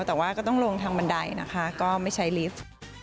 แต่ว่าก็ต้องลงทางบันไดนะคะก็ไม่ใช้ลิฟต์